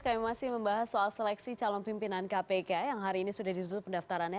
kami masih membahas soal seleksi calon pimpinan kpk yang hari ini sudah ditutup pendaftarannya